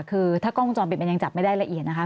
คือถ้ากล้องวงจรปิดมันยังจับไม่ได้ละเอียดนะคะ